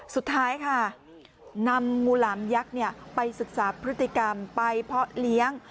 สุดท้ายค่ะนำงูหลามยักษ์ไปศึกษาพฤติกรรมไปเพาะเลี้ยง